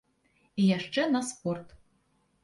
І яшчэ на спорт.